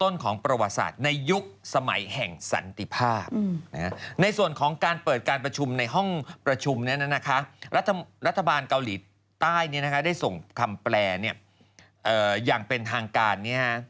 ณนะคะรัฐบาลเกาหลีใต้ได้ส่งคำแปลนี่